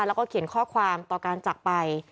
เขาเขียนข้อความต่อการจักรไป